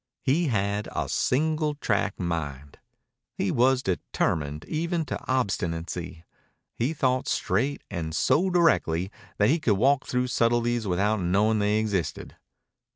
He had a single track mind. He was determined even to obstinacy. He thought straight, and so directly that he could walk through subtleties without knowing they existed.